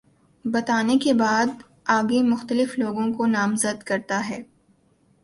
بتانے کے بعد آگے مختلف لوگوں کو نامزد کرتا ہے